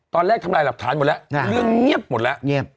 ตอนแรกทำลายหลักฐานหมดแล้วเรื่องเงียบหมดแล้ว